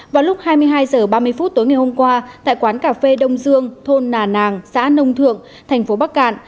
vào lúc hai mươi hai h ba mươi phút tối ngày hôm qua tại quán cà phê đông dương thôn nà nàng xã nông thượng thành phố bắc cạn